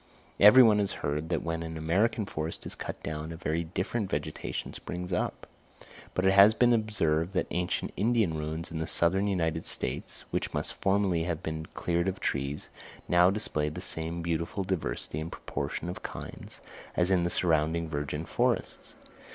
Every one has heard that when an American forest is cut down, a very different vegetation springs up; but it has been observed that ancient Indian ruins in the Southern United States, which must formerly have been cleared of trees, now display the same beautiful diversity and proportion of kinds as in the surrounding virgin forests.